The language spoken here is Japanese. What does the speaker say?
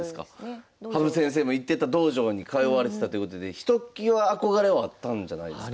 羽生先生も行ってた道場に通われてたということでひときわ憧れはあったんじゃないですか？